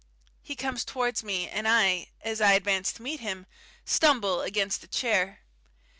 He comes towards me, and I, as I advance to meet him, stumble against a chair.